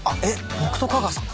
僕と架川さんが？